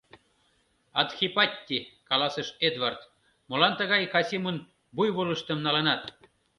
— Адхипатти, — каласыш Эдвард, — молан тый Касимын буйволыштым налынат?